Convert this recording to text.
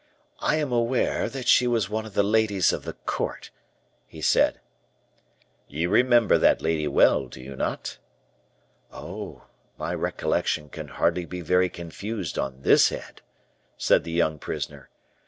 "I am aware that she was one of the ladies of the court," he said. "You remember that lady well, do you not?" "Oh, my recollection can hardly be very confused on this head," said the young prisoner.